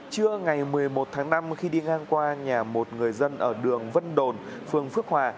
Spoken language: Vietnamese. trưa ngày một mươi một tháng năm khi đi ngang qua nhà một người dân ở đường vân đồn phường phước hòa